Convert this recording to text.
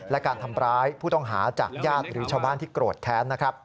และการทำร้ายผู้ต้องหาจากญาติหรือชาวบ้านที่โกรธแค้นนะครับ